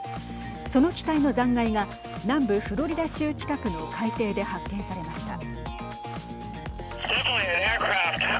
その機体の残骸が南部フロリダ州近くの海底で発見されました。